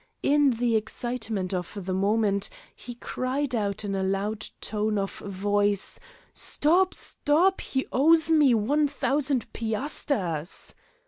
In the excitement of the moment he cried out in a loud tone of voice: "Stop! Stop! He owes me one thousand piasters."